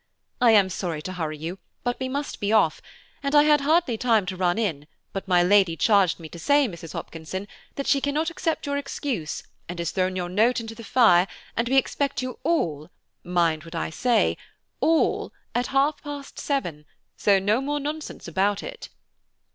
"I am sorry to hurry you, but we must be off; and I had hardly time to run in, but my Lady charged me to say, Mrs. Hopkinson, that she cannot accept your excuse, and has thrown your note into the fire, and we expect you all –mind what I say–all, at half past seven, so no more nonsense about it."